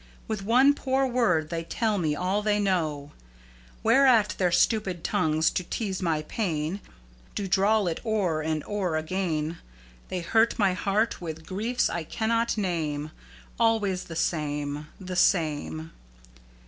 With one poor word they tell me all they know; Whereat their stupid tongues, to tease my pain, Do drawl it o'er and o'er again. They hurt my heart with griefs I cannot name; Always the same the same."